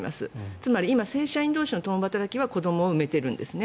つまり、今正社員同士の共働きは子どもを産めているんですね。